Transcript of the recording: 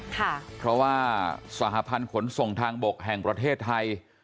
เพราะว่าสหพันธ์ขนส่งทางบกแห่งประเทศไทย